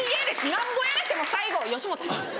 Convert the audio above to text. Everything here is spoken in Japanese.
なんぼやらしても最後吉本入ります。